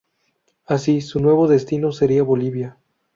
Así, su nuevo destino sería Bolivia.